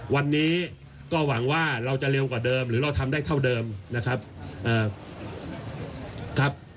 วันนี้ก็หวังว่าเราจะเร็วกว่าเดิมหรือเราทำได้เท่าเดิมนะครับ